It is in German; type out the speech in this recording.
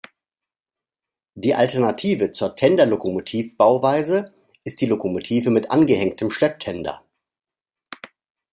Die Alternative zur Tenderlokomotiv-Bauweise ist die Lokomotive mit angehängtem Schlepptender.